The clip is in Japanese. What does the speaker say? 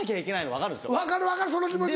分かる分かるその気持ち。